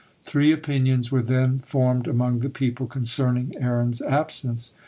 Three opinions were then formed among the people concerning Aaron's absence.